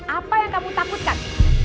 apa yang kamu takutkan